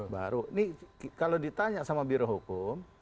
baru ini kalau ditanya sama birohukum